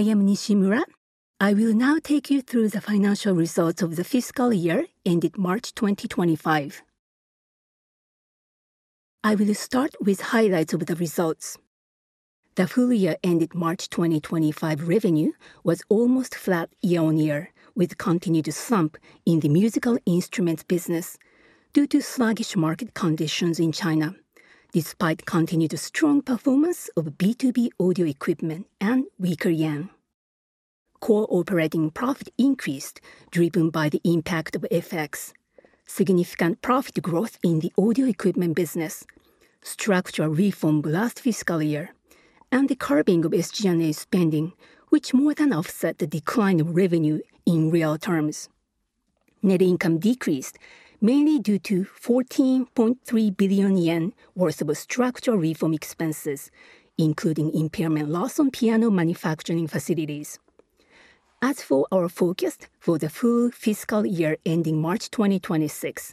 I am Nishimura. I will now take you through the financial results of the fiscal year ended March 2025. I will start with highlights of the results. The full year ended March 2025 revenue was almost flat year-on-year, with continued slump in the musical instruments business due to sluggish market conditions in China, despite continued strong performance of B2B audio equipment and weaker yen. Core operating profit increased driven by the impact of FX, significant profit growth in the audio equipment business, structural reform last fiscal year, and the curbing of SG&A spending, which more than offset the decline of revenue in real terms. Net income decreased mainly due to 14.3 billion yen worth of structural reform expenses, including impairment loss on piano manufacturing facilities. As for our forecast for the full fiscal year ending March 2026,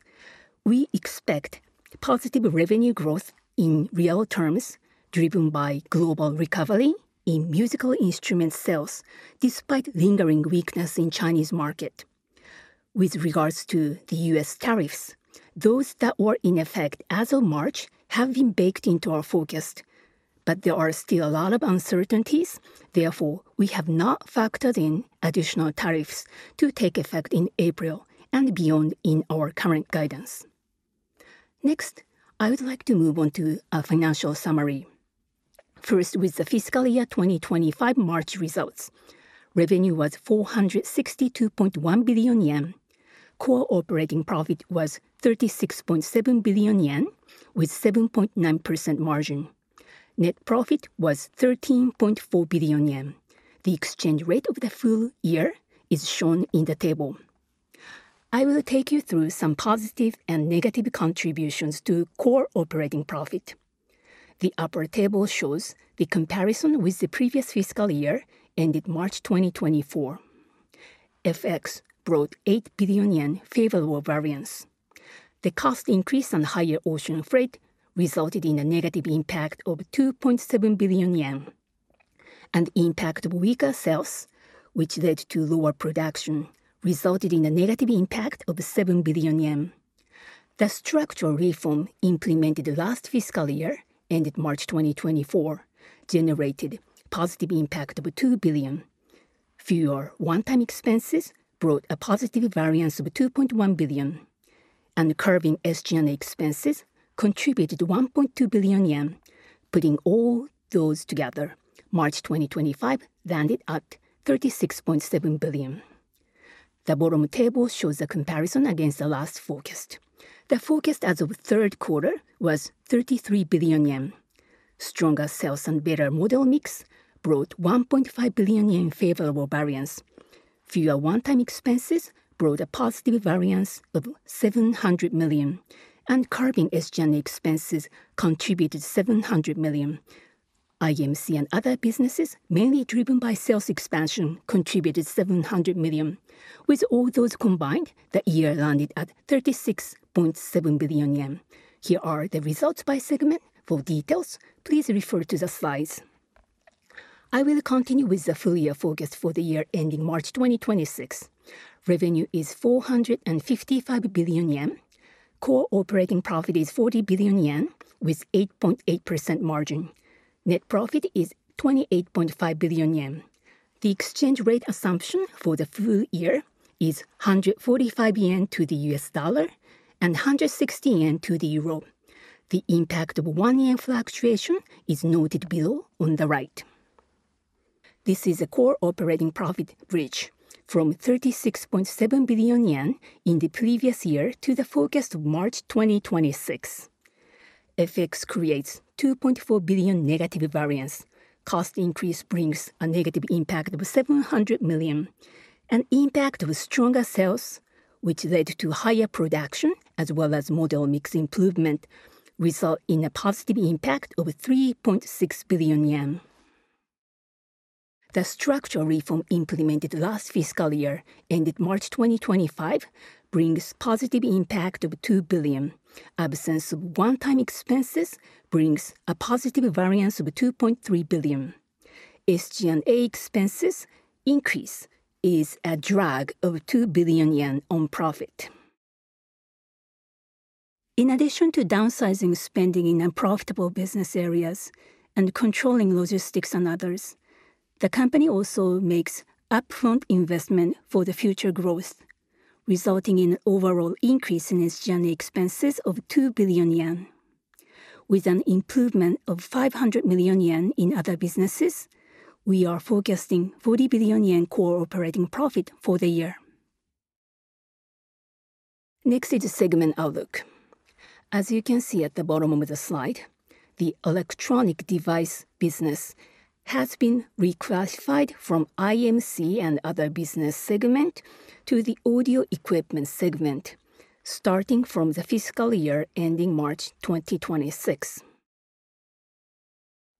we expect positive revenue growth in real terms driven by global recovery in musical instruments sales despite lingering weakness in the Chinese market. With regards to the U.S. tariffs, those that were in effect as of March have been baked into our forecast, but there are still a lot of uncertainties. Therefore, we have not factored in additional tariffs to take effect in April and beyond in our current guidance. Next, I would like to move on to a financial summary. First, with the fiscal year 2025 March results, revenue was 462.1 billion yen. Core operating profit was 36.7 billion yen, with 7.9% margin. Net profit was 13.4 billion yen. The exchange rate of the full year is shown in the table. I will take you through some positive and negative contributions to core operating profit. The upper table shows the comparison with the previous fiscal year ended March 2024. FX brought 8 billion yen favorable variance. The cost increase on higher ocean freight resulted in a negative impact of 2.7 billion yen, and the impact of weaker sales, which led to lower production, resulted in a negative impact of 7 billion yen. The structural reform implemented last fiscal year ended March 2024 generated a positive impact of 2 billion. Fewer one-time expenses brought a positive variance of 2.1 billion, and curbing SG&A expenses contributed 1.2 billion yen, putting all those together. March 2025 landed at 36.7 billion. The bottom table shows a comparison against the last forecast. The forecast as of third quarter was 33 billion yen. Stronger sales and better model mix brought 1.5 billion yen favorable variance. Fewer one-time expenses brought a positive variance of 700 million, and curbing SG&A expenses contributed 700 million. IMC and other businesses, mainly driven by sales expansion, contributed 700 million. With all those combined, the year landed at 36.7 billion yen. Here are the results by segment. For details, please refer to the slides. I will continue with the full year forecast for the year ending March 2026. Revenue is 455 billion yen. Core operating profit is 40 billion yen, with 8.8% margin. Net profit is 28.5 billion yen. The exchange rate assumption for the full year is 145 yen to the US dollar and 160 yen to the euro. The impact of 1 yen fluctuation is noted below on the right. This is a core operating profit bridge from 36.7 billion yen in the previous year to the forecast of March 2026. FX creates 2.4 billion negative variance. Cost increase brings a negative impact of 700 million. An impact of stronger sales, which led to higher production as well as model mix improvement, results in a positive impact of 3.6 billion yen. The structural reform implemented last fiscal year ended March 2025 brings positive impact of 2 billion. Absence of one-time expenses brings a positive variance of 2.3 billion. SG&A expenses increase is a drag of 2 billion yen on profit. In addition to downsizing spending in unprofitable business areas and controlling logistics and others, the company also makes upfront investment for the future growth, resulting in an overall increase in SG&A expenses of 2 billion yen. With an improvement of 500 million yen in other businesses, we are forecasting 40 billion yen core operating profit for the year. Next is the segment outlook. As you can see at the bottom of the slide, the electronic device business has been reclassified from IMC and other business segment to the audio equipment segment, starting from the fiscal year ending March 2026.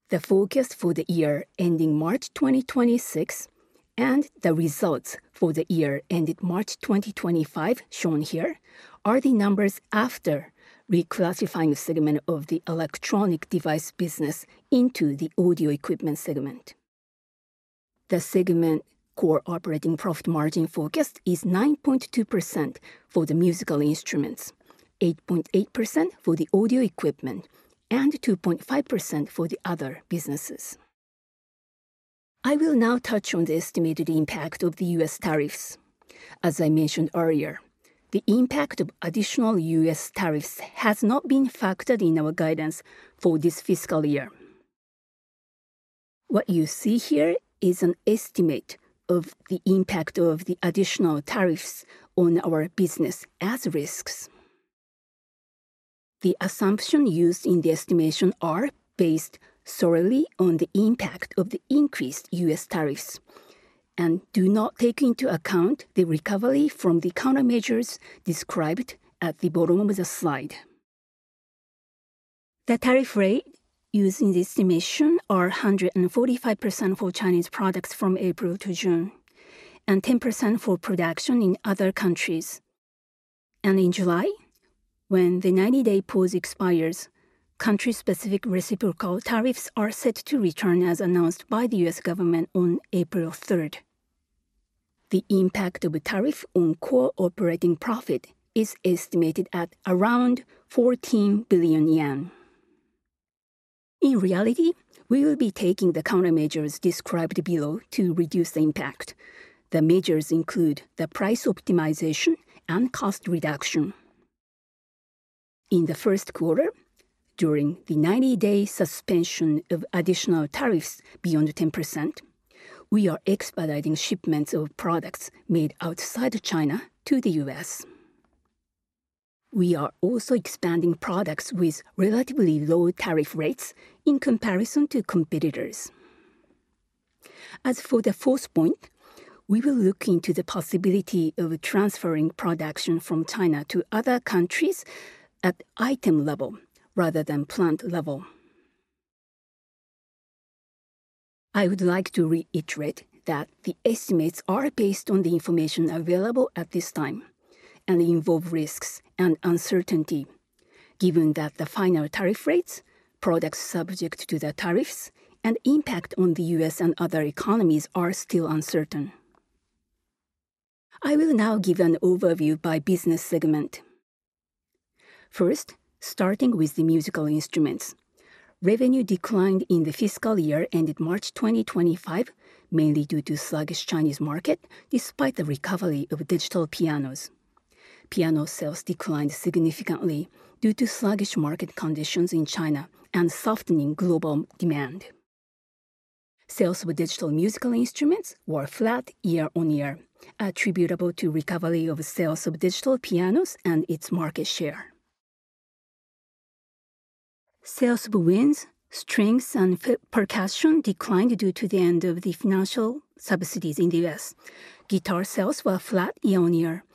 The forecast for the year ending March 2026 and the results for the year ended March 2025 shown here are the numbers after reclassifying the segment of the electronic device business into the audio equipment segment. The segment core operating profit margin forecast is 9.2% for the musical instruments, 8.8% for the audio equipment, and 2.5% for the other businesses. I will now touch on the estimated impact of the U.S. tariffs. As I mentioned earlier, the impact of additional U.S. tariffs has not been factored in our guidance for this fiscal year. What you see here is an estimate of the impact of the additional tariffs on our business as risks. The assumption used in the estimation is based solely on the impact of the increased U.S. tariffs and does not take into account the recovery from the countermeasures described at the bottom of the slide. The tariff rate used in the estimation is 145% for Chinese products from April to June and 10% for production in other countries. In July, when the 90-day pause expires, country-specific reciprocal tariffs are set to return as announced by the U.S. government on April 3rd. The impact of a tariff on core operating profit is estimated at around 14 billion yen. In reality, we will be taking the countermeasures described below to reduce the impact. The measures include the price optimization and cost reduction. In the first quarter, during the 90-day suspension of additional tariffs beyond 10%, we are expediting shipments of products made outside China to the U.S. We are also expanding products with relatively low tariff rates in comparison to competitors. As for the fourth point, we will look into the possibility of transferring production from China to other countries at item level rather than plant level. I would like to reiterate that the estimates are based on the information available at this time and involve risks and uncertainty, given that the final tariff rates, products subject to the tariffs, and impact on the U.S. and other economies are still uncertain. I will now give an overview by business segment. First, starting with the musical instruments, revenue declined in the fiscal year ended March 2025 mainly due to sluggish Chinese market despite the recovery of digital pianos. Piano sales declined significantly due to sluggish market conditions in China and softening global demand. Sales of digital musical instruments were flat year-on-year, attributable to the recovery of sales of digital pianos and its market share. Sales of winds, strings, and percussion declined due to the end of the financial subsidies in the U.S. Guitar sales were flat year-on-year,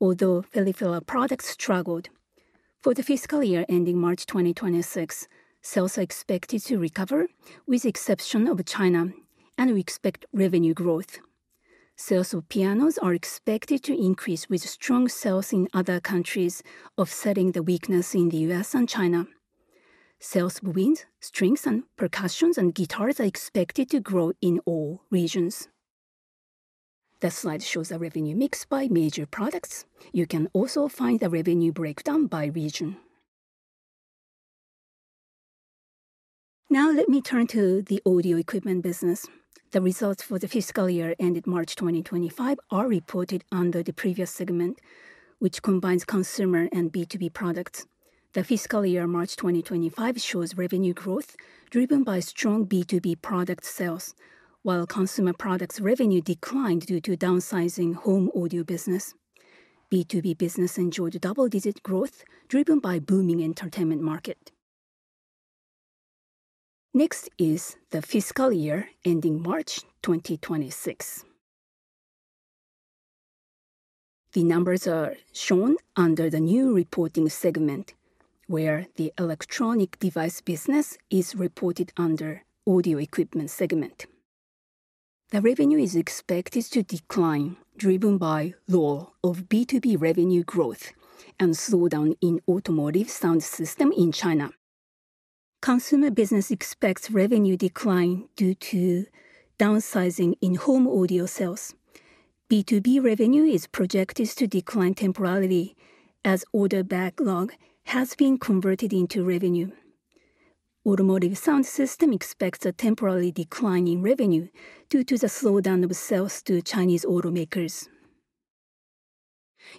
although fellow products struggled. For the fiscal year ending March 2026, sales are expected to recover with the exception of China, and we expect revenue growth. Sales of pianos are expected to increase with strong sales in other countries offsetting the weakness in the U.S. and China. Sales of winds, strings, percussion, and guitars are expected to grow in all regions. The slide shows a revenue mix by major products. You can also find the revenue breakdown by region. Now let me turn to the audio equipment business. The results for the fiscal year ended March 2025 are reported under the previous segment, which combines consumer and B2B products. The fiscal year March 2025 shows revenue growth driven by strong B2B product sales, while consumer products revenue declined due to downsizing home audio business. B2B business enjoyed double-digit growth driven by booming entertainment market. Next is the fiscal year ending March 2026. The numbers are shown under the new reporting segment, where the electronic device business is reported under audio equipment segment. The revenue is expected to decline driven by lull of B2B revenue growth and slowdown in automobile sound system in China. Consumer business expects revenue decline due to downsizing in home audio sales. B2B revenue is projected to decline temporarily as order backlog has been converted into revenue. Automobile sound system expects a temporary decline in revenue due to the slowdown of sales to Chinese automakers.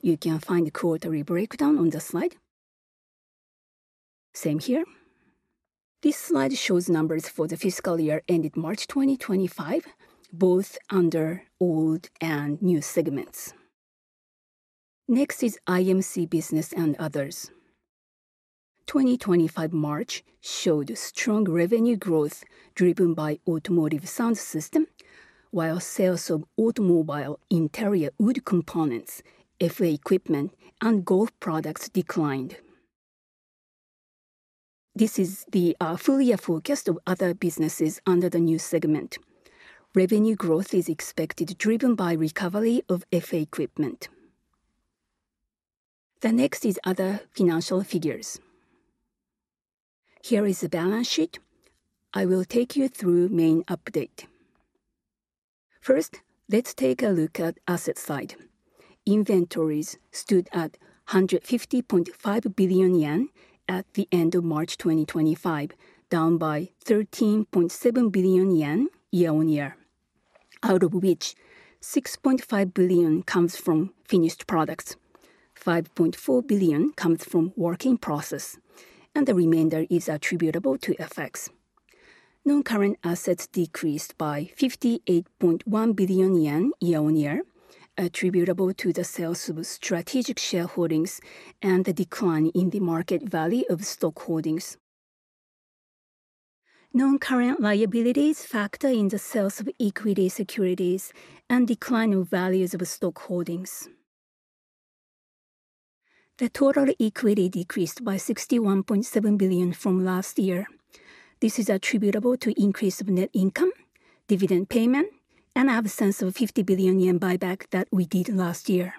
You can find the quarterly breakdown on the slide. Same here. This slide shows numbers for the fiscal year ended March 2025, both under old and new segments. Next is IMC business and others. 2025 March showed strong revenue growth driven by automobile sound system, while sales of automobile interior wood components, FA equipment, and golf products declined. This is the full year forecast of other businesses under the new segment. Revenue growth is expected driven by recovery of FA equipment. The next is other financial figures. Here is the balance sheet. I will take you through main update. First, let's take a look at asset side. Inventories stood at 150.5 billion yen at the end of March 2025, down by 13.7 billion yen year-on-year, out of which 6.5 billion comes from finished products, 5.4 billion comes from work in process, and the remainder is attributable to FX. Non-current assets decreased by 58.1 billion yen year-on-year, attributable to the sales of strategic shareholdings and the decline in the market value of stock holdings. Non-current liabilities factor in the sales of equity securities and decline of values of stock holdings. The total equity decreased by 61.7 billion from last year. This is attributable to increase of net income, dividend payment, and absence of 50 billion yen buyback that we did last year.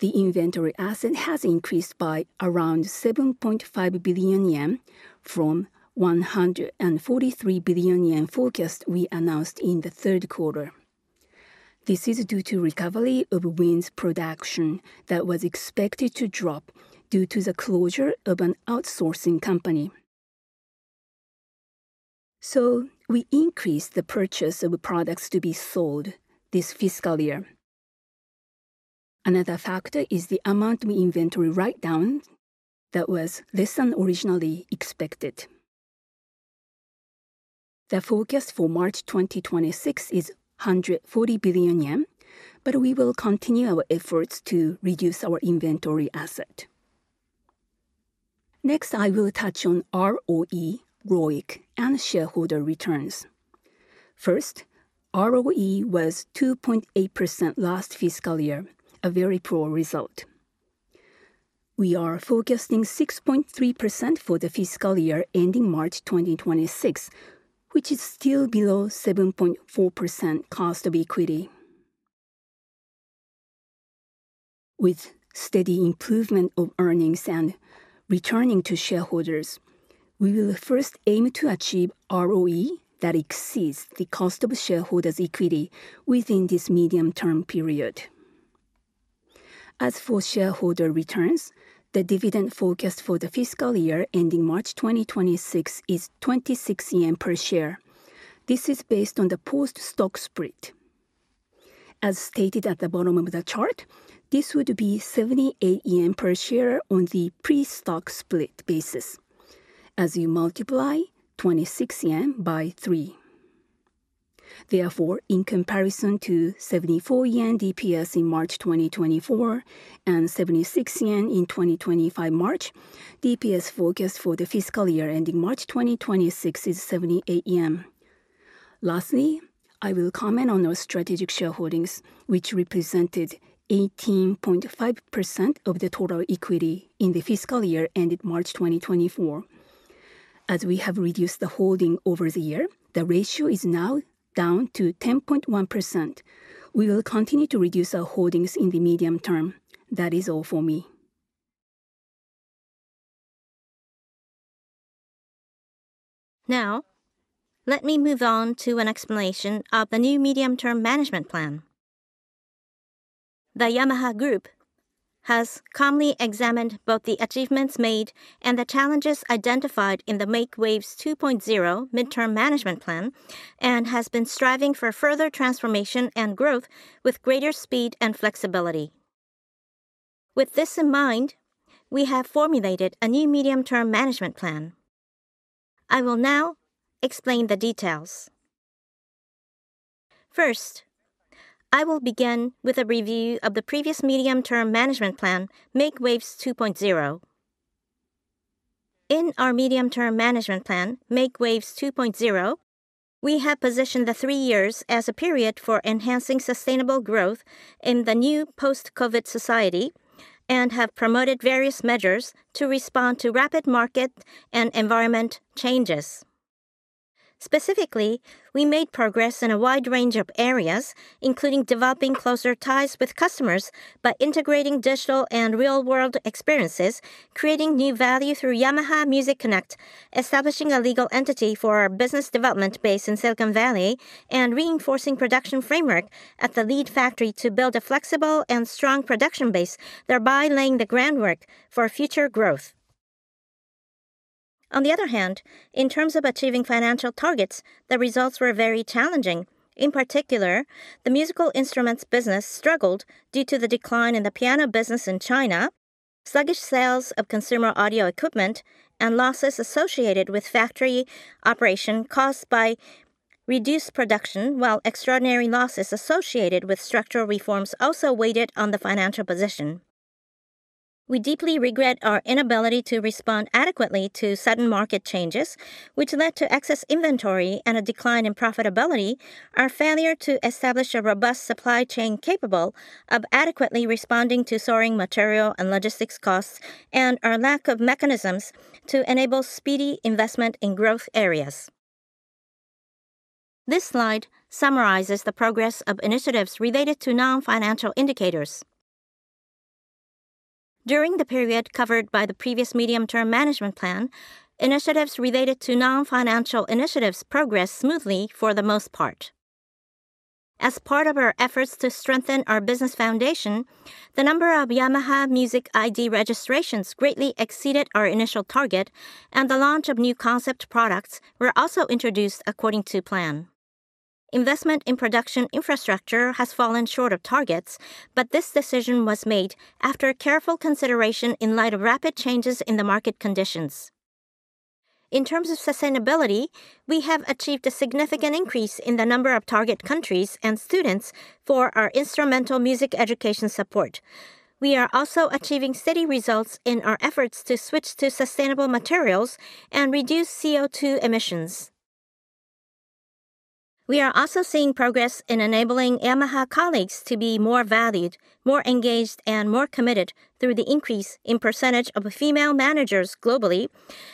The inventory asset has increased by around 7.5 billion yen from 143 billion yen forecast we announced in the third quarter. This is due to recovery of winds production that was expected to drop due to the closure of an outsourcing company. We increased the purchase of products to be sold this fiscal year. Another factor is the amount we inventory write down that was less than originally expected. The forecast for March 2026 is 140 billion yen, but we will continue our efforts to reduce our inventory asset. Next, I will touch on ROE, ROIC, and shareholder returns. First, ROE was 2.8% last fiscal year, a very poor result. We are forecasting 6.3% for the fiscal year ending March 2026, which is still below 7.4% cost of equity. With steady improvement of earnings and returning to shareholders, we will first aim to achieve ROE that exceeds the cost of shareholders' equity within this medium-term period. As for shareholder returns, the dividend forecast for the fiscal year ending March 2026 is 26 yen per share. This is based on the post-stock split. As stated at the bottom of the chart, this would be 78 yen per share on the pre-stock split basis as you multiply 26 yen by 3. Therefore, in comparison to 74 yen DPS in March 2024 and 76 yen in March 2025, DPS forecast for the fiscal year ending March 2026 is 78 yen. Lastly, I will comment on our strategic shareholdings, which represented 18.5% of the total equity in the fiscal year ended March 2024. As we have reduced the holding over the year, the ratio is now down to 10.1%. We will continue to reduce our holdings in the medium term. That is all for me. Now, let me move on to an explanation of the new medium-term management plan. The Yamaha Group has calmly examined both the achievements made and the challenges identified in the Make Waves 2.0 midterm management plan and has been striving for further transformation and growth with greater speed and flexibility. With this in mind, we have formulated a new medium-term management plan. I will now explain the details. First, I will begin with a review of the previous medium-term management plan, Make Waves 2.0. In our medium-term management plan, Make Waves 2.0, we have positioned the three years as a period for enhancing sustainable growth in the new post-COVID society and have promoted various measures to respond to rapid market and environment changes. Specifically, we made progress in a wide range of areas, including developing closer ties with customers by integrating digital and real-world experiences, creating new value through Yamaha Music Connect, establishing a legal entity for our business development base in Silicon Valley, and reinforcing the production framework at the lead factory to build a flexible and strong production base, thereby laying the groundwork for future growth. On the other hand, in terms of achieving financial targets, the results were very challenging. In particular, the musical instruments business struggled due to the decline in the piano business in China, sluggish sales of consumer audio equipment, and losses associated with factory operation caused by reduced production, while extraordinary losses associated with structural reforms also weighed on the financial position. We deeply regret our inability to respond adequately to sudden market changes, which led to excess inventory and a decline in profitability, our failure to establish a robust supply chain capable of adequately responding to soaring material and logistics costs, and our lack of mechanisms to enable speedy investment in growth areas. This slide summarizes the progress of initiatives related to non-financial indicators. During the period covered by the previous medium-term management plan, initiatives related to non-financial initiatives progressed smoothly for the most part. As part of our efforts to strengthen our business foundation, the number of Yamaha Music ID registrations greatly exceeded our initial target, and the launch of new concept products was also introduced according to plan. Investment in production infrastructure has fallen short of targets, but this decision was made after careful consideration in light of rapid changes in the market conditions. In terms of sustainability, we have achieved a significant increase in the number of target countries and students for our instrumental music education support. We are also achieving steady results in our efforts to switch to sustainable materials and reduce CO2 emissions. We are also seeing progress in enabling Yamaha colleagues to be more valued, more engaged, and more committed through the increase in % of female managers globally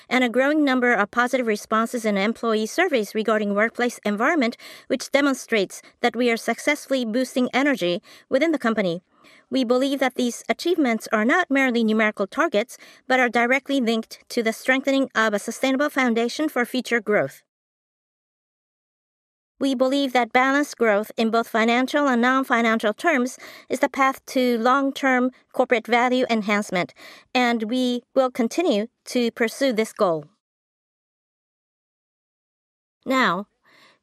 and a growing number of positive responses in employee surveys regarding workplace environment, which demonstrates that we are successfully boosting energy within the company. We believe that these achievements are not merely numerical targets but are directly linked to the strengthening of a sustainable foundation for future growth. We believe that balanced growth in both financial and non-financial terms is the path to long-term corporate value enhancement, and we will continue to pursue this goal. Now,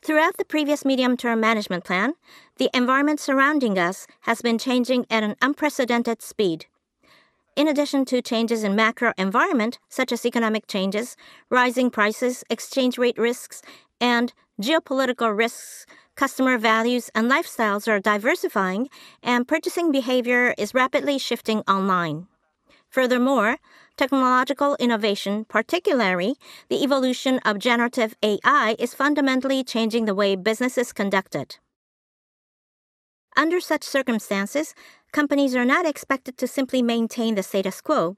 throughout the previous medium-term management plan, the environment surrounding us has been changing at an unprecedented speed. In addition to changes in the macro environment, such as economic changes, rising prices, exchange rate risks, and geopolitical risks, customer values and lifestyles are diversifying, and purchasing behavior is rapidly shifting online. Furthermore, technological innovation, particularly the evolution of generative AI, is fundamentally changing the way business is conducted. Under such circumstances, companies are not expected to simply maintain the status quo.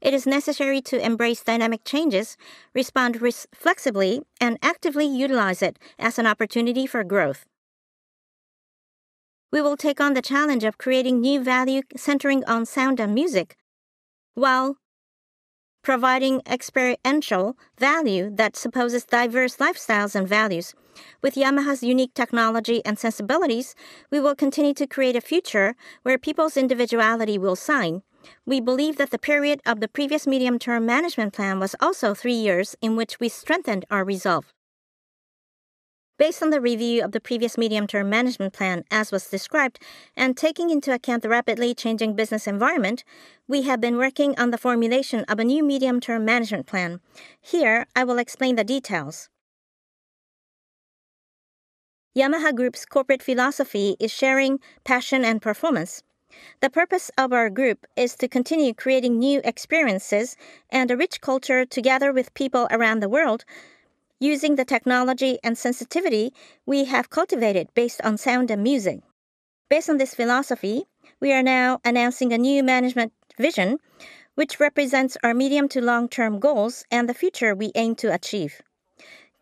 It is necessary to embrace dynamic changes, respond flexibly, and actively utilize it as an opportunity for growth. We will take on the challenge of creating new value centering on sound and music while providing experiential value that supposes diverse lifestyles and values. With Yamaha's unique technology and sensibilities, we will continue to create a future where people's individuality will shine. We believe that the period of the previous medium-term management plan was also three years in which we strengthened our resolve. Based on the review of the previous medium-term management plan, as was described, and taking into account the rapidly changing business environment, we have been working on the formulation of a new medium-term management plan. Here, I will explain the details. Yamaha Group's corporate philosophy is sharing, passion, and performance. The purpose of our group is to continue creating new experiences and a rich culture together with people around the world using the technology and sensitivity we have cultivated based on sound and music. Based on this philosophy, we are now announcing a new management vision, which represents our medium to long-term goals and the future we aim to achieve.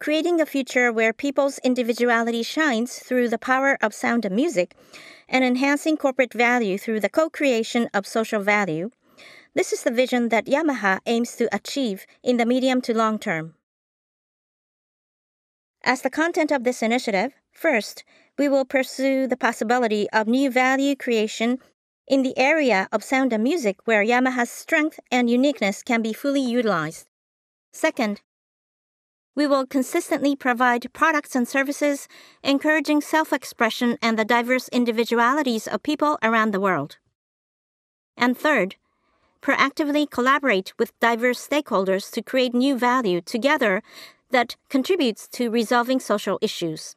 Creating a future where people's individuality shines through the power of sound and music and enhancing corporate value through the co-creation of social value, this is the vision that Yamaha aims to achieve in the medium to long term. As the content of this initiative, first, we will pursue the possibility of new value creation in the area of sound and music where Yamaha's strength and uniqueness can be fully utilized. Second, we will consistently provide products and services encouraging self-expression and the diverse individualities of people around the world. Third, we will proactively collaborate with diverse stakeholders to create new value together that contributes to resolving social issues.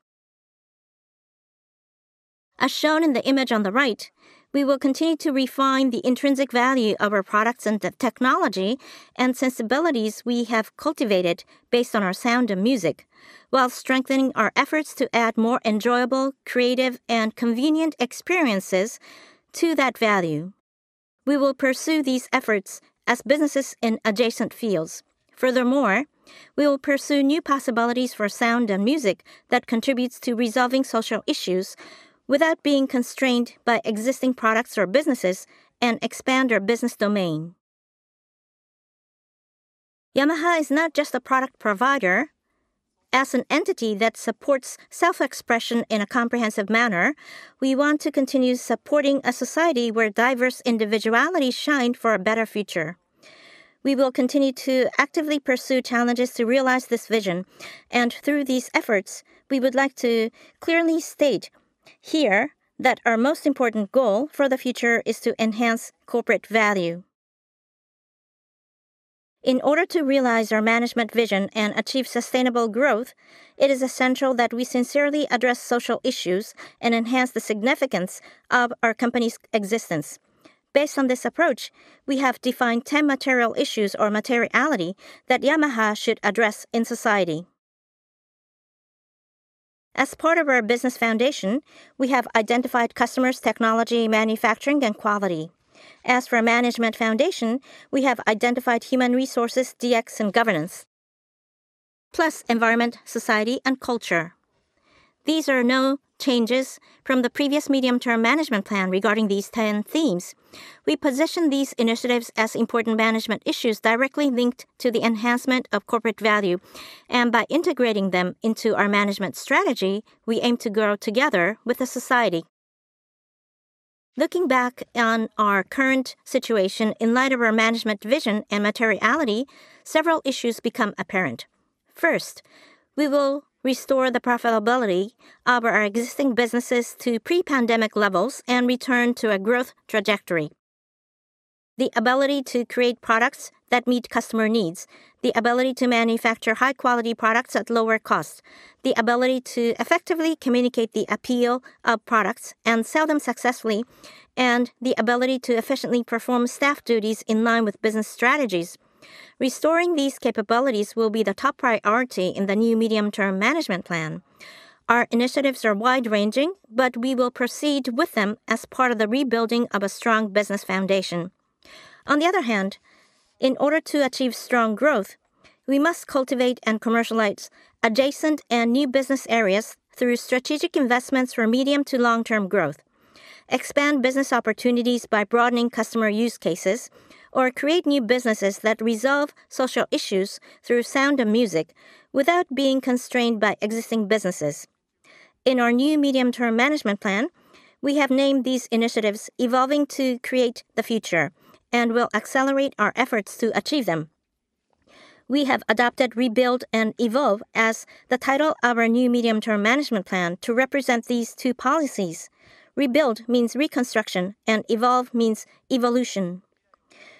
As shown in the image on the right, we will continue to refine the intrinsic value of our products and the technology and sensibilities we have cultivated based on our sound and music, while strengthening our efforts to add more enjoyable, creative, and convenient experiences to that value. We will pursue these efforts as businesses in adjacent fields. Furthermore, we will pursue new possibilities for sound and music that contribute to resolving social issues without being constrained by existing products or businesses and expand our business domain. Yamaha is not just a product provider. As an entity that supports self-expression in a comprehensive manner, we want to continue supporting a society where diverse individuality shines for a better future. We will continue to actively pursue challenges to realize this vision. Through these efforts, we would like to clearly state here that our most important goal for the future is to enhance corporate value. In order to realize our management vision and achieve sustainable growth, it is essential that we sincerely address social issues and enhance the significance of our company's existence. Based on this approach, we have defined 10 material issues or materiality that Yamaha should address in society. As part of our business foundation, we have identified customers, technology, manufacturing, and quality. As for management foundation, we have identified human resources, DX, and governance, plus environment, society, and culture. There are no changes from the previous medium-term management plan regarding these 10 themes. We position these initiatives as important management issues directly linked to the enhancement of corporate value. By integrating them into our management strategy, we aim to grow together with society. Looking back on our current situation, in light of our management vision and materiality, several issues become apparent. First, we will restore the profitability of our existing businesses to pre-pandemic levels and return to a growth trajectory. The ability to create products that meet customer needs, the ability to manufacture high-quality products at lower cost, the ability to effectively communicate the appeal of products and sell them successfully, and the ability to efficiently perform staff duties in line with business strategies. Restoring these capabilities will be the top priority in the new medium-term management plan. Our initiatives are wide-ranging, but we will proceed with them as part of the rebuilding of a strong business foundation. On the other hand, in order to achieve strong growth, we must cultivate and commercialize adjacent and new business areas through strategic investments for medium to long-term growth, expand business opportunities by broadening customer use cases, or create new businesses that resolve social issues through sound and music without being constrained by existing businesses. In our new medium-term management plan, we have named these initiatives Evolving to Create the Future and will accelerate our efforts to achieve them. We have adopted Rebuild and Evolve as the title of our new medium-term management plan to represent these two policies. Rebuild means reconstruction and evolve means evolution.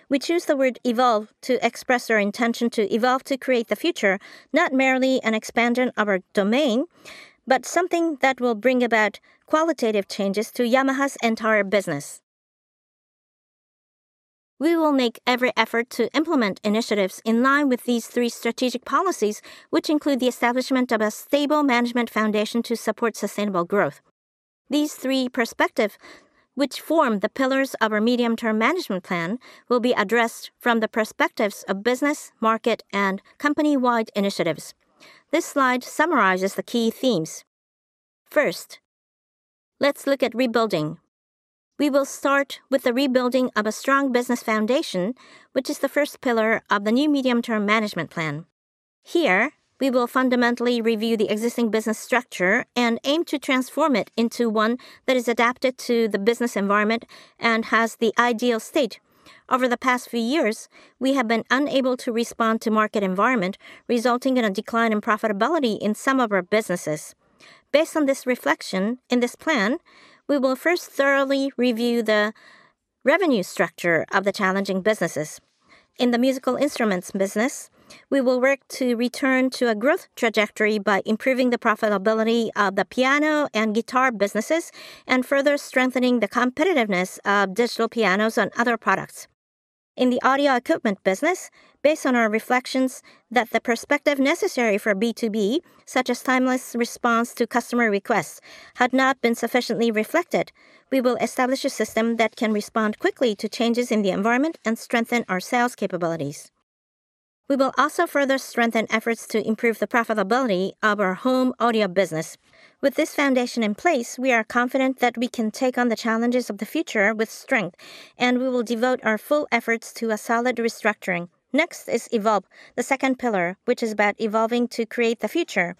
We choose the word evolve to express our intention to evolve to create the future, not merely an expansion of our domain, but something that will bring about qualitative changes to Yamaha's entire business. We will make every effort to implement initiatives in line with these three strategic policies, which include the establishment of a stable management foundation to support sustainable growth. These three perspectives, which form the pillars of our medium-term management plan, will be addressed from the perspectives of business, market, and company-wide initiatives. This slide summarizes the key themes. First, let's look at rebuilding. We will start with the rebuilding of a strong business foundation, which is the first pillar of the new medium-term management plan. Here, we will fundamentally review the existing business structure and aim to transform it into one that is adapted to the business environment and has the ideal state. Over the past few years, we have been unable to respond to the market environment, resulting in a decline in profitability in some of our businesses. Based on this reflection in this plan, we will first thoroughly review the revenue structure of the challenging businesses. In the musical instruments business, we will work to return to a growth trajectory by improving the profitability of the piano and guitar businesses and further strengthening the competitiveness of digital pianos and other products. In the audio equipment business, based on our reflections that the perspective necessary for B2B, such as timeless response to customer requests, had not been sufficiently reflected, we will establish a system that can respond quickly to changes in the environment and strengthen our sales capabilities. We will also further strengthen efforts to improve the profitability of our home audio business. With this foundation in place, we are confident that we can take on the challenges of the future with strength, and we will devote our full efforts to a solid restructuring. Next is Evolve, the second pillar, which is about evolving to create the future.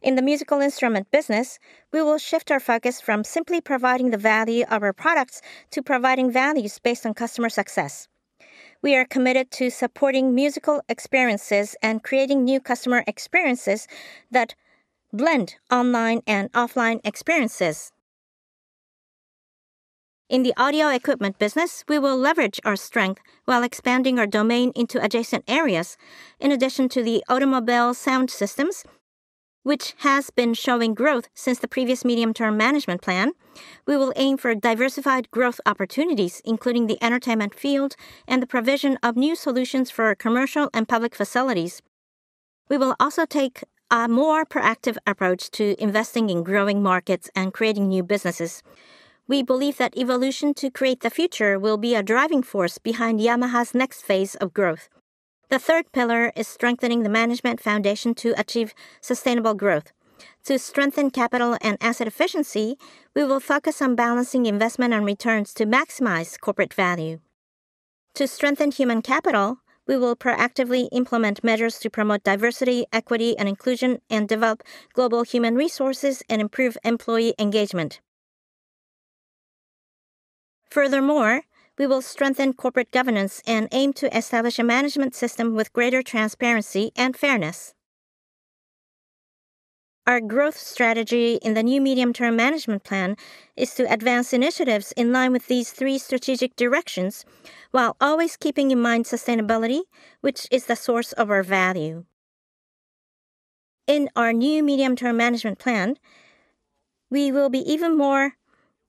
In the musical instrument business, we will shift our focus from simply providing the value of our products to providing values based on customer success. We are committed to supporting musical experiences and creating new customer experiences that blend online and offline experiences. In the audio equipment business, we will leverage our strength while expanding our domain into adjacent areas. In addition to the automobile sound systems, which have been showing growth since the previous medium-term management plan, we will aim for diversified growth opportunities, including the entertainment field and the provision of new solutions for commercial and public facilities. We will also take a more proactive approach to investing in growing markets and creating new businesses. We believe that evolution to create the future will be a driving force behind Yamaha's next phase of growth. The third pillar is strengthening the management foundation to achieve sustainable growth. To strengthen capital and asset efficiency, we will focus on balancing investment and returns to maximize corporate value. To strengthen human capital, we will proactively implement measures to promote diversity, equity, and inclusion, and develop global human resources and improve employee engagement. Furthermore, we will strengthen corporate governance and aim to establish a management system with greater transparency and fairness. Our growth strategy in the new medium-term management plan is to advance initiatives in line with these three strategic directions while always keeping in mind sustainability, which is the source of our value. In our new medium-term management plan, we will be even more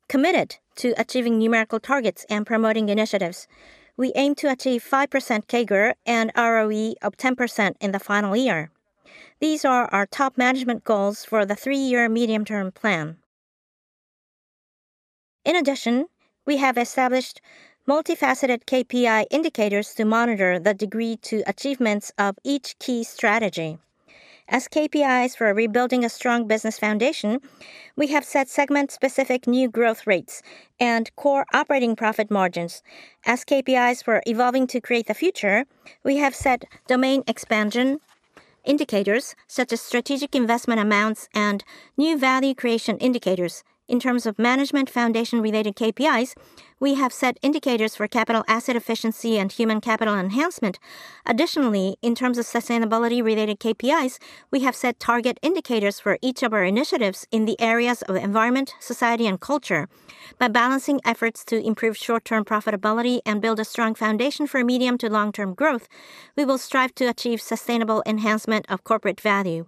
committed to achieving numerical targets and promoting initiatives. We aim to achieve 5% CAGR and ROE of 10% in the final year. These are our top management goals for the three-year medium-term plan. In addition, we have established multifaceted KPI indicators to monitor the degree to achievements of each key strategy. As KPIs for rebuilding a strong business foundation, we have set segment-specific new growth rates and core operating profit margins. As KPIs for evolving to create the future, we have set domain expansion indicators such as strategic investment amounts and new value creation indicators. In terms of management foundation-related KPIs, we have set indicators for capital asset efficiency and human capital enhancement. Additionally, in terms of sustainability-related KPIs, we have set target indicators for each of our initiatives in the areas of environment, society, and culture. By balancing efforts to improve short-term profitability and build a strong foundation for medium to long-term growth, we will strive to achieve sustainable enhancement of corporate value.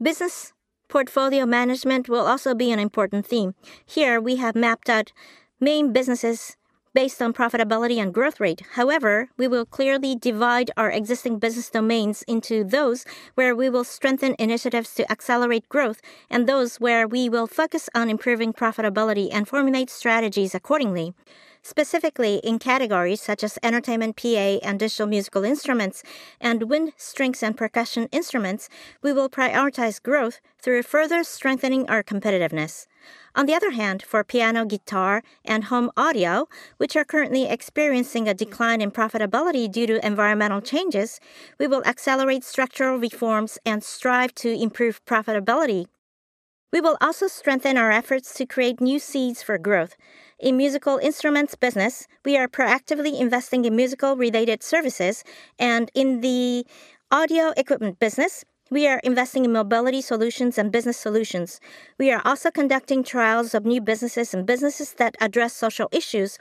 Business portfolio management will also be an important theme. Here, we have mapped out main businesses based on profitability and growth rate. However, we will clearly divide our existing business domains into those where we will strengthen initiatives to accelerate growth and those where we will focus on improving profitability and formulate strategies accordingly. Specifically, in categories such as entertainment, PA, and digital musical instruments, and wind, strings, and percussion instruments, we will prioritize growth through further strengthening our competitiveness. On the other hand, for piano, guitar, and home audio, which are currently experiencing a decline in profitability due to environmental changes, we will accelerate structural reforms and strive to improve profitability. We will also strengthen our efforts to create new seeds for growth. In musical instruments business, we are proactively investing in musical-related services, and in the audio equipment business, we are investing in mobility solutions and business solutions. We are also conducting trials of new businesses and businesses that address social issues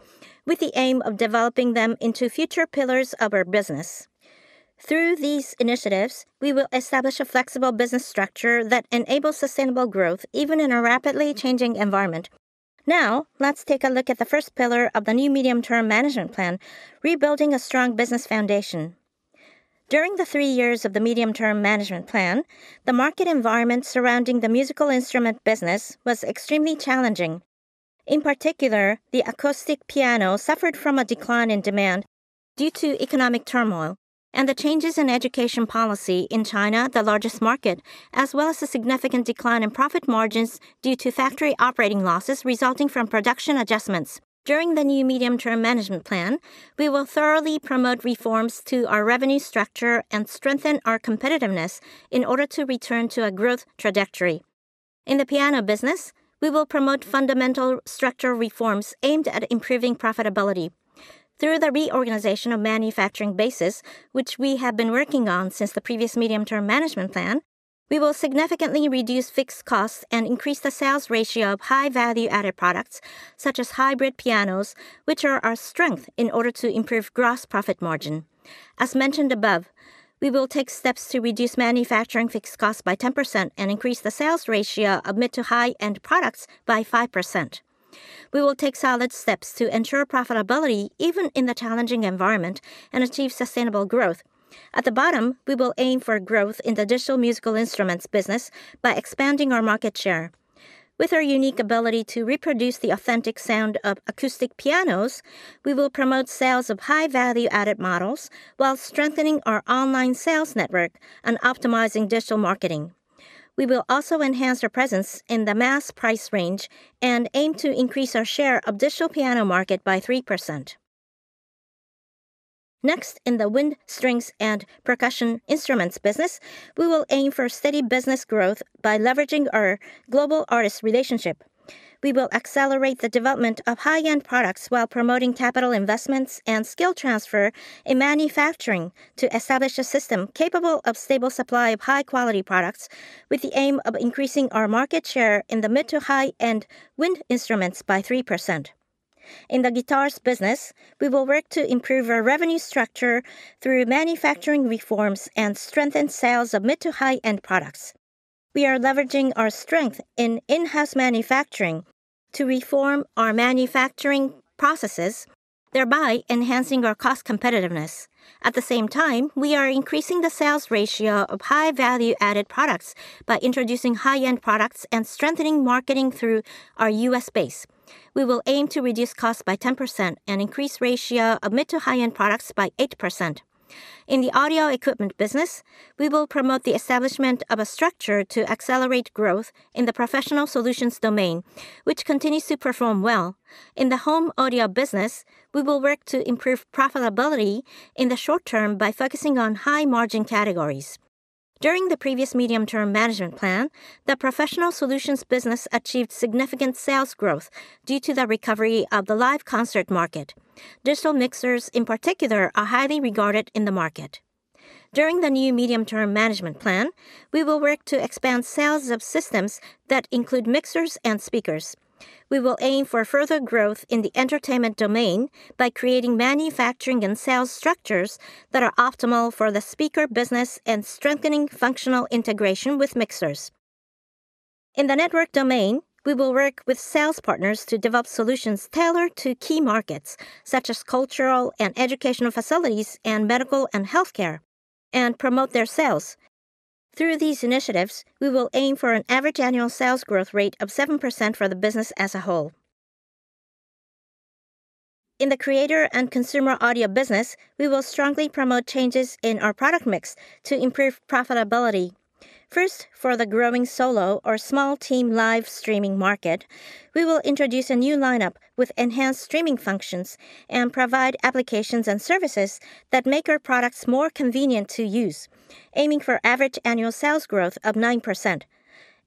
with the aim of developing them into future pillars of our business. Through these initiatives, we will establish a flexible business structure that enables sustainable growth even in a rapidly changing environment. Now, let's take a look at the first pillar of the new medium-term management plan, rebuilding a strong business foundation. During the three years of the medium-term management plan, the market environment surrounding the musical instrument business was extremely challenging. In particular, the acoustic piano suffered from a decline in demand due to economic turmoil and the changes in education policy in China, the largest market, as well as a significant decline in profit margins due to factory operating losses resulting from production adjustments. During the new medium-term management plan, we will thoroughly promote reforms to our revenue structure and strengthen our competitiveness in order to return to a growth trajectory. In the piano business, we will promote fundamental structure reforms aimed at improving profitability. Through the reorganization of manufacturing bases, which we have been working on since the previous medium-term management plan, we will significantly reduce fixed costs and increase the sales ratio of high-value-added products such as hybrid pianos, which are our strength in order to improve gross profit margin. As mentioned above, we will take steps to reduce manufacturing fixed costs by 10% and increase the sales ratio of mid to high-end products by 5%. We will take solid steps to ensure profitability even in the challenging environment and achieve sustainable growth. At the bottom, we will aim for growth in the digital musical instruments business by expanding our market share. With our unique ability to reproduce the authentic sound of acoustic pianos, we will promote sales of high-value-added models while strengthening our online sales network and optimizing digital marketing. We will also enhance our presence in the mass price range and aim to increase our share of digital piano market by 3%. Next, in the wind, strings, and percussion instruments business, we will aim for steady business growth by leveraging our global artist relationship. We will accelerate the development of high-end products while promoting capital investments and skill transfer in manufacturing to establish a system capable of stable supply of high-quality products with the aim of increasing our market share in the mid to high-end wind instruments by 3%. In the guitars business, we will work to improve our revenue structure through manufacturing reforms and strengthen sales of mid to high-end products. We are leveraging our strength in in-house manufacturing to reform our manufacturing processes, thereby enhancing our cost competitiveness. At the same time, we are increasing the sales ratio of high-value-added products by introducing high-end products and strengthening marketing through our US base. We will aim to reduce costs by 10% and increase the ratio of mid to high-end products by 8%. In the audio equipment business, we will promote the establishment of a structure to accelerate growth in the professional solutions domain, which continues to perform well. In the home audio business, we will work to improve profitability in the short term by focusing on high-margin categories. During the previous medium-term management plan, the professional solutions business achieved significant sales growth due to the recovery of the live concert market. Digital mixers, in particular, are highly regarded in the market. During the new medium-term management plan, we will work to expand sales of systems that include mixers and speakers. We will aim for further growth in the entertainment domain by creating manufacturing and sales structures that are optimal for the speaker business and strengthening functional integration with mixers. In the network domain, we will work with sales partners to develop solutions tailored to key markets such as cultural and educational facilities and medical and healthcare and promote their sales. Through these initiatives, we will aim for an average annual sales growth rate of 7% for the business as a whole. In the creator and consumer audio business, we will strongly promote changes in our product mix to improve profitability. First, for the growing solo or small team live streaming market, we will introduce a new lineup with enhanced streaming functions and provide applications and services that make our products more convenient to use, aiming for average annual sales growth of 9%.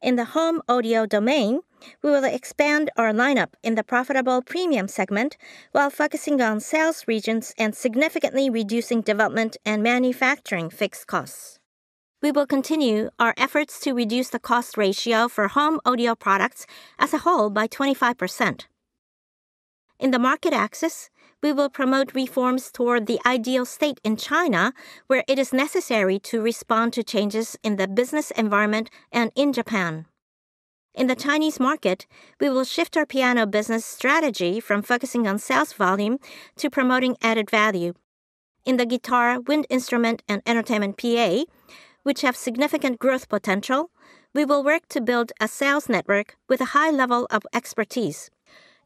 In the home audio domain, we will expand our lineup in the profitable premium segment while focusing on sales regions and significantly reducing development and manufacturing fixed costs. We will continue our efforts to reduce the cost ratio for home audio products as a whole by 25%. In the market axis, we will promote reforms toward the ideal state in China, where it is necessary to respond to changes in the business environment and in Japan. In the Chinese market, we will shift our piano business strategy from focusing on sales volume to promoting added value. In the guitar, wind instrument, and entertainment PA, which have significant growth potential, we will work to build a sales network with a high level of expertise.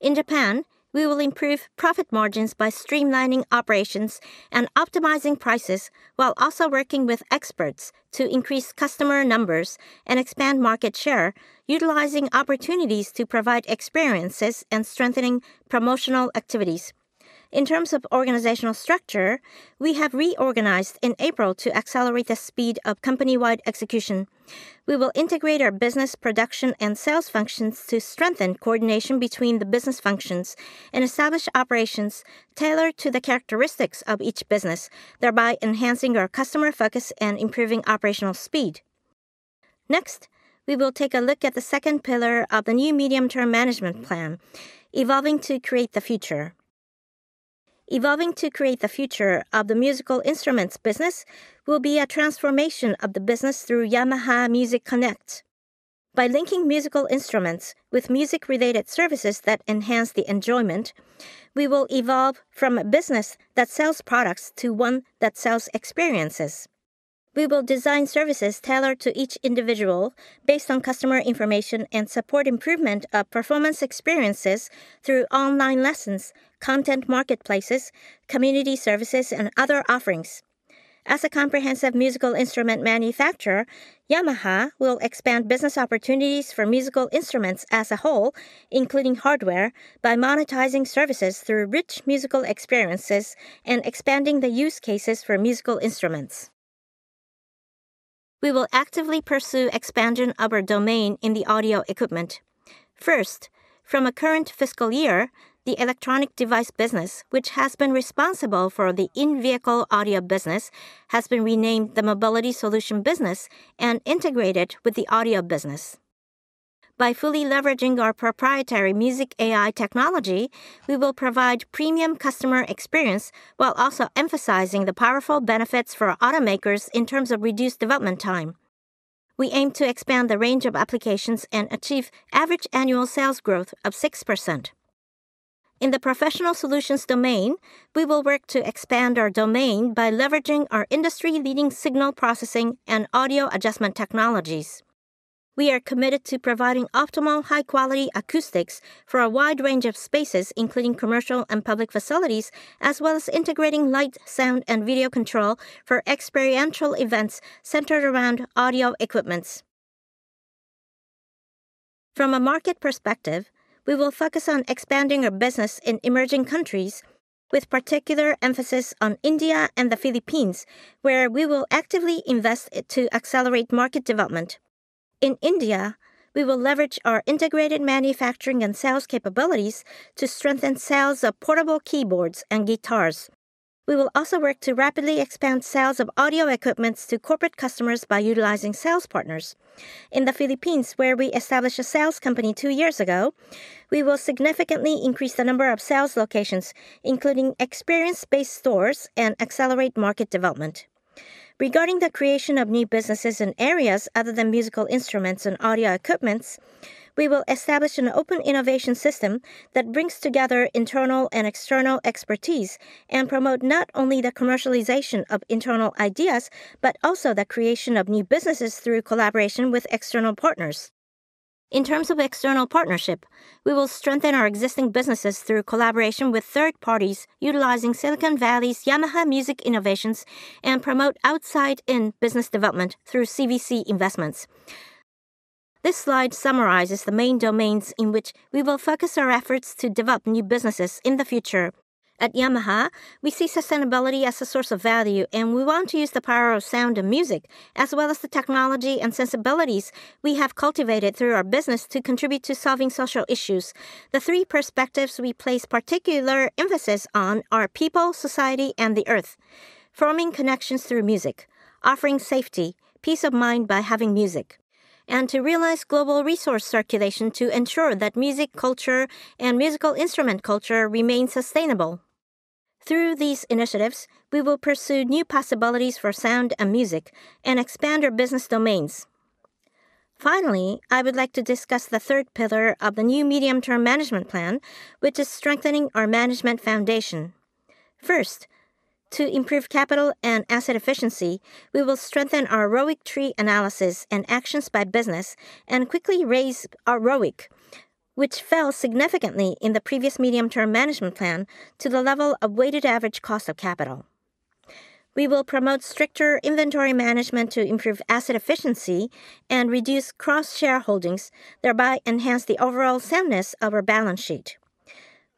In Japan, we will improve profit margins by streamlining operations and optimizing prices while also working with experts to increase customer numbers and expand market share, utilizing opportunities to provide experiences and strengthening promotional activities. In terms of organizational structure, we have reorganized in April to accelerate the speed of company-wide execution. We will integrate our business production and sales functions to strengthen coordination between the business functions and establish operations tailored to the characteristics of each business, thereby enhancing our customer focus and improving operational speed. Next, we will take a look at the second pillar of the new medium-term management plan, evolving to create the future. Evolving to create the future of the musical instruments business will be a transformation of the business through Yamaha Music Connect. By linking musical instruments with music-related services that enhance the enjoyment, we will evolve from a business that sells products to one that sells experiences. We will design services tailored to each individual based on customer information and support improvement of performance experiences through online lessons, content marketplaces, community services, and other offerings. As a comprehensive musical instrument manufacturer, Yamaha will expand business opportunities for musical instruments as a whole, including hardware, by monetizing services through rich musical experiences and expanding the use cases for musical instruments. We will actively pursue expansion of our domain in the audio equipment. First, from the current fiscal year, the electronic device business, which has been responsible for the in-vehicle audio business, has been renamed the mobility solution business and integrated with the audio business. By fully leveraging our proprietary music AI technology, we will provide premium customer experience while also emphasizing the powerful benefits for automakers in terms of reduced development time. We aim to expand the range of applications and achieve average annual sales growth of 6%. In the professional solutions domain, we will work to expand our domain by leveraging our industry-leading signal processing and audio adjustment technologies. We are committed to providing optimal high-quality acoustics for a wide range of spaces, including commercial and public facilities, as well as integrating light, sound, and video control for experiential events centered around audio equipment. From a market perspective, we will focus on expanding our business in emerging countries, with particular emphasis on India and the Philippines, where we will actively invest to accelerate market development. In India, we will leverage our integrated manufacturing and sales capabilities to strengthen sales of portable keyboards and guitars. We will also work to rapidly expand sales of audio equipment to corporate customers by utilizing sales partners. In the Philippines, where we established a sales company two years ago, we will significantly increase the number of sales locations, including experience-based stores, and accelerate market development. Regarding the creation of new businesses in areas other than musical instruments and audio equipment, we will establish an open innovation system that brings together internal and external expertise and promote not only the commercialization of internal ideas but also the creation of new businesses through collaboration with external partners. In terms of external partnership, we will strengthen our existing businesses through collaboration with third parties utilizing Silicon Valley's Yamaha Music Innovations and promote outside-in business development through CVC investments. This slide summarizes the main domains in which we will focus our efforts to develop new businesses in the future. At Yamaha, we see sustainability as a source of value, and we want to use the power of sound and music, as well as the technology and sensibilities we have cultivated through our business to contribute to solving social issues. The three perspectives we place particular emphasis on are people, society, and the earth, forming connections through music, offering safety, peace of mind by having music, and to realize global resource circulation to ensure that music culture and musical instrument culture remain sustainable. Through these initiatives, we will pursue new possibilities for sound and music and expand our business domains. Finally, I would like to discuss the third pillar of the new medium-term management plan, which is strengthening our management foundation. First, to improve capital and asset efficiency, we will strengthen our ROIC tree analysis and actions by business and quickly raise our ROIC, which fell significantly in the previous medium-term management plan to the level of weighted average cost of capital. We will promote stricter inventory management to improve asset efficiency and reduce cross-shareholdings, thereby enhancing the overall soundness of our balance sheet.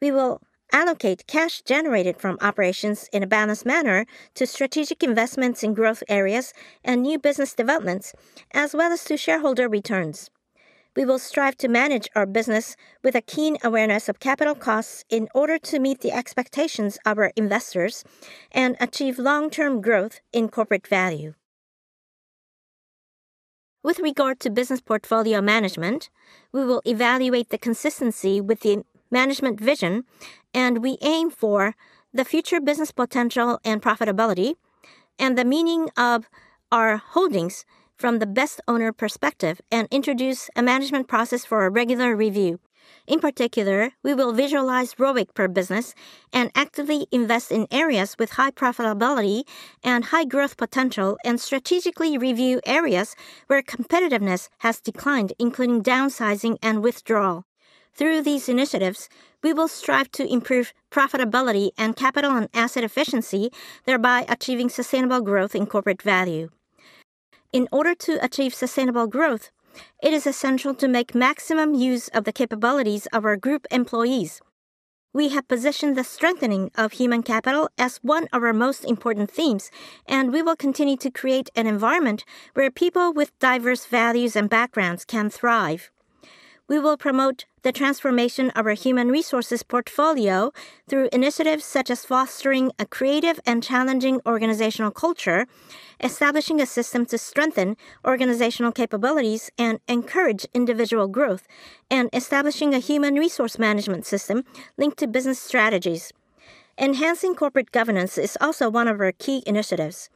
We will allocate cash generated from operations in a balanced manner to strategic investments in growth areas and new business developments, as well as to shareholder returns. We will strive to manage our business with a keen awareness of capital costs in order to meet the expectations of our investors and achieve long-term growth in corporate value. With regard to business portfolio management, we will evaluate the consistency with the management vision, and we aim for the future business potential and profitability and the meaning of our holdings from the best owner perspective and introduce a management process for a regular review. In particular, we will visualize ROIC per business and actively invest in areas with high profitability and high growth potential and strategically review areas where competitiveness has declined, including downsizing and withdrawal. Through these initiatives, we will strive to improve profitability and capital and asset efficiency, thereby achieving sustainable growth in corporate value. In order to achieve sustainable growth, it is essential to make maximum use of the capabilities of our group employees. We have positioned the strengthening of human capital as one of our most important themes, and we will continue to create an environment where people with diverse values and backgrounds can thrive. We will promote the transformation of our human resources portfolio through initiatives such as fostering a creative and challenging organizational culture, establishing a system to strengthen organizational capabilities and encourage individual growth, and establishing a human resource management system linked to business strategies. Enhancing corporate governance is also one of our key initiatives.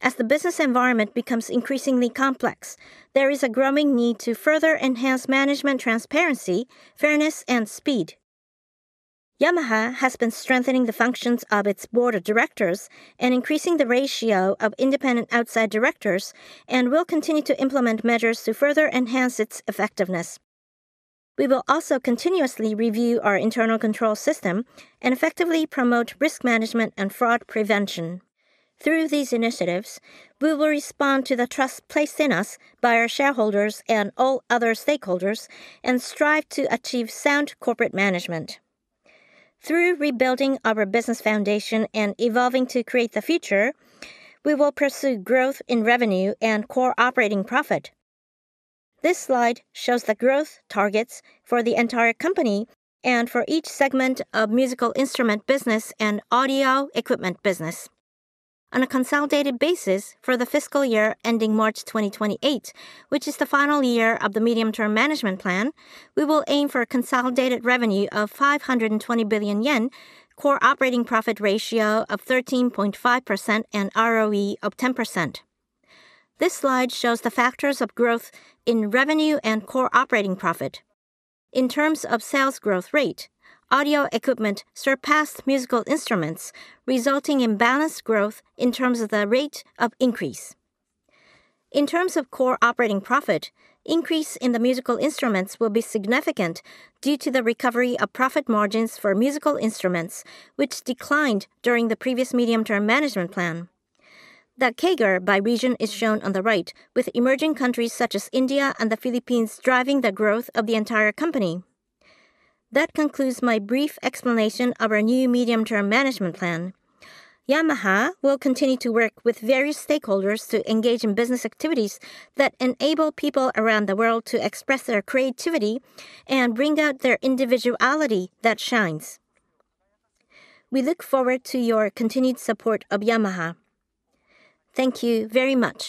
As the business environment becomes increasingly complex, there is a growing need to further enhance management transparency, fairness, and speed. Yamaha has been strengthening the functions of its board of directors and increasing the ratio of independent outside directors and will continue to implement measures to further enhance its effectiveness. We will also continuously review our internal control system and effectively promote risk management and fraud prevention. Through these initiatives, we will respond to the trust placed in us by our shareholders and all other stakeholders and strive to achieve sound corporate management. Through rebuilding our business foundation and evolving to create the future, we will pursue growth in revenue and core operating profit. This slide shows the growth targets for the entire company and for each segment of musical instrument business and audio equipment business. On a consolidated basis, for the fiscal year ending March 2028, which is the final year of the medium-term management plan, we will aim for a consolidated revenue of 520 billion yen, core operating profit ratio of 13.5%, and ROE of 10%. This slide shows the factors of growth in revenue and core operating profit. In terms of sales growth rate, audio equipment surpassed musical instruments, resulting in balanced growth in terms of the rate of increase. In terms of core operating profit, increase in the musical instruments will be significant due to the recovery of profit margins for musical instruments, which declined during the previous medium-term management plan. The CAGR by region is shown on the right, with emerging countries such as India and the Philippines driving the growth of the entire company. That concludes my brief explanation of our new medium-term management plan. Yamaha will continue to work with various stakeholders to engage in business activities that enable people around the world to express their creativity and bring out their individuality that shines. We look forward to your continued support of Yamaha. Thank you very much.